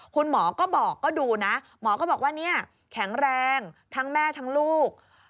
คุณหมอก็ดูนะหมอก็บอกว่าแข็งแรงทั้งแม่ทั้งลูก